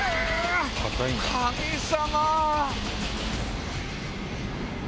神様！